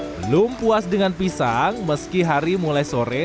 belum puas dengan pisang meski hari mulai sore